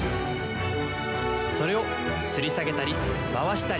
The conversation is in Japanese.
それをつり下げたり回したり持ち上げたり。